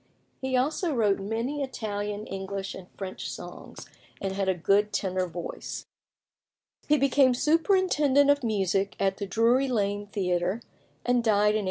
He also wrote many Italian, English, and French songs, and had a good tenor voice. He became superintendent of music at the Drury Lane Theatre, and died in 1826.